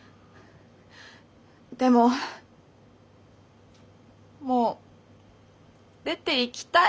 でももう出ていきたい。